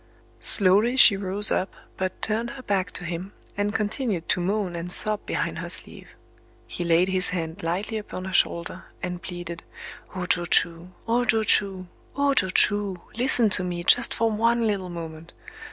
Slowly she rose up, but turned her back to him, and continued to moan and sob behind her sleeve. He laid his hand lightly upon her shoulder, and pleaded:—"O jochū!—O jochū!—O jochū!... Listen to me, just for one little moment!...